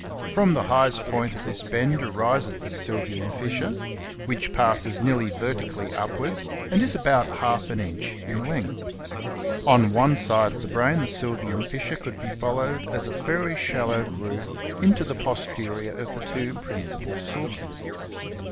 From the highest point of this bend arises the Sylvian fissure (*S, fig. 2, p. 141), which passes nearly vertically upwards and is about half an On one side of the brain the Sylvian fissure could be followed as a very shallow groove into the posterior of the two principal sulci.